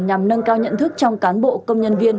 nhằm nâng cao nhận thức trong cán bộ công nhân viên